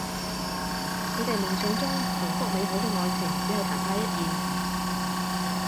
你哋夢想中幸福美好嘅愛情只係曇花一現